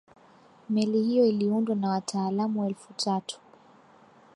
meli hiyo iliundwa na wataalamu elfu tatu